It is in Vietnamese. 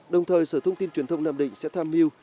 đồng thời sở thông tin truyền thông nam định sẽ tham mưu